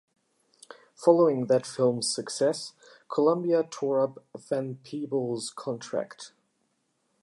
Following that film's success, Columbia tore up Van Peebles' contract.